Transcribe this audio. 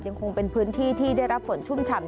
ยังคงเป็นพื้นที่ที่ได้รับฝนชุ่มฉ่ำ